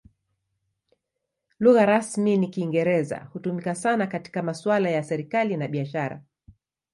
Lugha rasmi ni Kiingereza; hutumika sana katika masuala ya serikali na biashara.